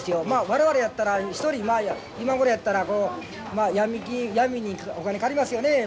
我々やったら１人今頃やったらこうヤミ金闇にお金借りますよね。